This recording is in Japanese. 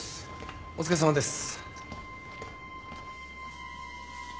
お疲れさまです。